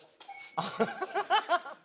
ハハハハ！